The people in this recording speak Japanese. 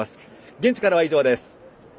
現地からは以上です。